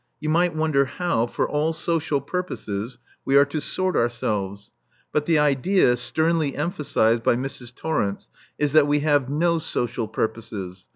You might wonder how, for all social purposes, we are to sort ourselves? But the idea, sternly emphasized by Mrs. Torrence, is that we have no social purposes.